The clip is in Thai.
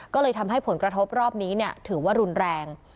ก็เลยทำให้ผลกระทบรอบนี้ถือว่ารุนแรง